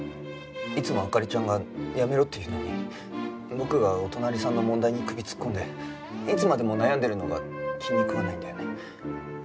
いつも灯ちゃんがやめろって言うのに僕がお隣さんの問題に首突っ込んでいつまでも悩んでるのが気に食わないんだよね？